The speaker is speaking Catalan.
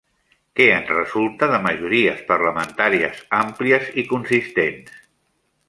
Què en resulta de majories parlamentàries àmplies i consistents?